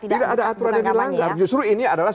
tidak ada aturan yang dilanggar justru ini adalah